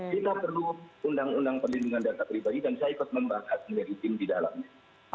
kita perlu undang undang perlindungan data pribadi dan saya ikut membahas dari tim di dalamnya